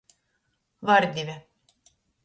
Vardive.